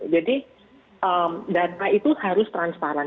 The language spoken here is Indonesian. jadi data itu harus transparan